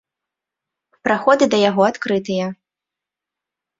Праходы да яго адкрытыя.